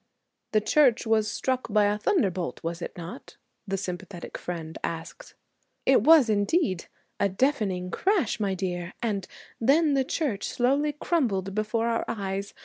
'The church was struck by a thunder bolt was it not?' the sympathetic friend asks. 'It was indeed a deafening crash, my dear and then the church slowly crumbled before our eyes.